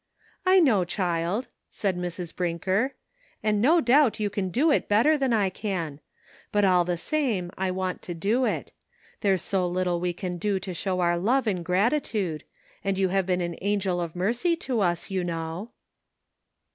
"I know, child," said Mrs. Brinker, '' and no doubt you can do it better than I can ; but all the same I want to do it. There's so little we can do to show our love and gratitude ; and you have been an angel of mercy to us, you know."